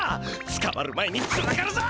つかまる前にずらかるぞ！